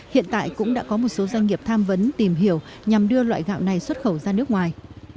hiện tại cũng đã có một số doanh nghiệp tham vấn tìm hiểu nhằm đưa loại gạo này xuất khẩu ra nước ngoài